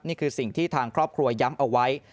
นี่คือสิ่งที่ทางครอบครัวย้ำเอาไว้